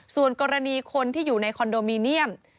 ส่วนกรณีคนที่อยู่ในคอนโดมิเนียม